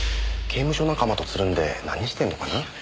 刑務所仲間とつるんで何してんのかな？